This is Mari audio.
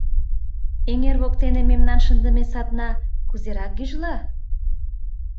Эҥер воктене мемнан шындыме садна кузерак гӱжла?